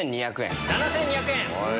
７２００円。